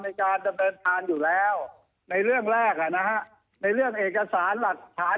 ในการดำเนินทานอยู่แล้วในเรื่องแรกในเรื่องเอกสารหลักฐาน